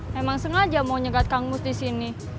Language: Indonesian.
memang sengaja mau nyegat kang mus di sini